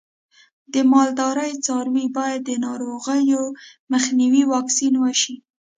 د مالدارۍ څاروی باید د ناروغیو مخنیوي واکسین شي.